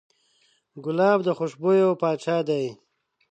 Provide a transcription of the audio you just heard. ګلاب د خوشبویو پاچا دی.